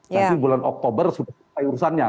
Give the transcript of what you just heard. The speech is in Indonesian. nanti bulan oktober sudah selesai urusannya